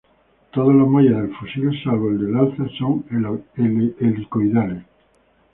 Todos los muelles del fusil, salvo el del alza, son helicoidales.